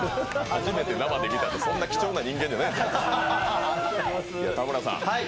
初めて生で見たってそんな貴重な人間じゃない。